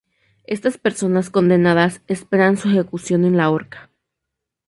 Estas personas condenadas esperan su ejecución en la horca.